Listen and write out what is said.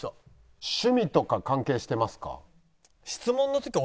趣味とか関係してますか？